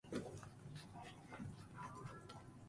北海道西興部村